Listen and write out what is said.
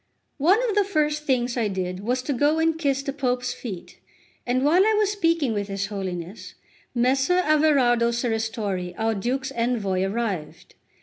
LXXXI ONE of the first things I did was to go and kiss the Pope's feet; and while I was speaking with his Holiness, Messer Averardo Serristori, our Duke's Envoy, arrived.